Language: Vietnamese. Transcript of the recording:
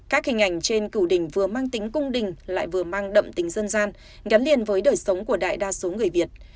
các hình ảnh trên cửu đình vừa mang tính cung đình lại vừa mang đậm tính dân gian gắn liền với đời sống của đại đa số người việt